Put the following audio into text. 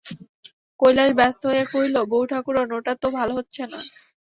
কৈলাস ব্যস্ত হইয়া কহিল, বউঠাকরুন, ওটা তো ভালো হচ্ছে না।